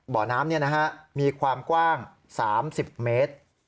บ่อน้ำเนี่ยนะฮะมีความกว้าง๓๐เมตร